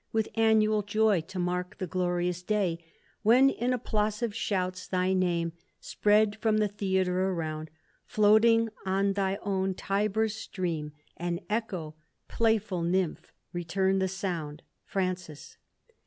With annual joy to mark the glorious day, When in applausive shouts thy name Spread from the theatre around, Floating on thy own Tiber's stream, And Echo, playful nymph, retum'd the sound. Francis.